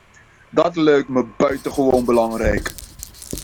Dat lijkt me buitengewoon belangrijk.